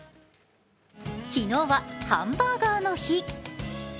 昨日はハンバーガーの日。